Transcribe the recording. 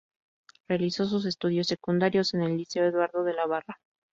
Realizó sus estudios secundarios en el Liceo Eduardo de la Barra.